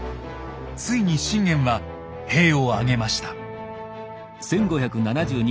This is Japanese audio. ついに信玄は兵を挙げました。